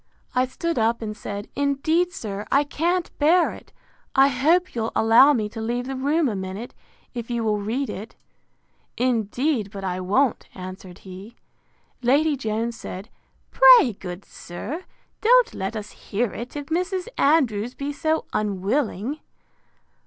I stood up, and said, Indeed, sir, I can't bear it; I hope you'll allow me to leave the room a minute, if you will read it. Indeed but I won't, answered he. Lady Jones said, Pray, good sir, don't let us hear it, if Mrs. Andrews be so unwilling.